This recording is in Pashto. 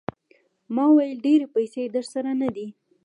ما وویل ډېرې پیسې درسره نه دي.